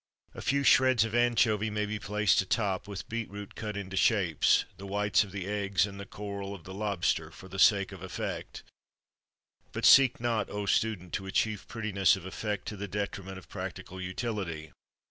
A few shreds of anchovy may be placed atop; with beetroot cut into shapes, the whites of the eggs, and the coral of the lobster, for the sake of effect; but seek not, O student, to achieve prettiness of effect to the detriment of practical utility.